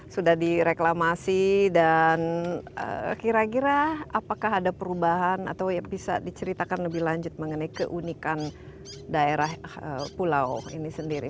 sudah direklamasi dan kira kira apakah ada perubahan atau bisa diceritakan lebih lanjut mengenai keunikan daerah pulau ini sendiri